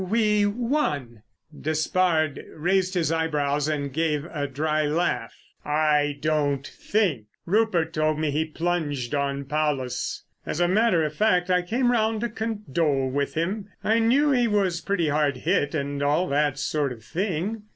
"We won." Despard raised his eyebrows and gave a dry laugh. "I don't think! Rupert told me he plunged, on Paulus. As a matter of fact, I came round to condole with him. I knew he was pretty hard hit and all that sort of thing."